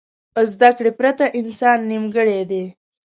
زده کړې پرته انسان نیمګړی دی.